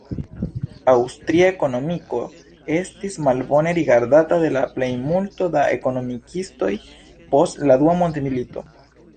Aŭstria ekonomiko estis malbone rigardata de la plejmulto da ekonomikistoj post la Dua mondmilito.